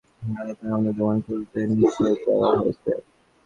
রাস্তাঘাটে চলাফেরা করতে এবং বাজারে থাকা আমাদের দোকান খুলতে নিষেধ দেওয়া হয়েছে।